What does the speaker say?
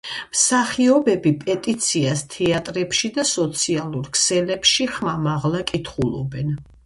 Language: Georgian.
მსახიობები პეტიციას თეატრებში და სოციალურ ქსელებში ხმამაღლა კითხულობენ.